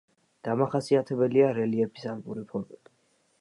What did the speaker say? დამახასიათებელია რელიეფის ალპური ფორმები.